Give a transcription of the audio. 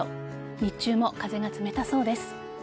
日中も風が冷たそうです。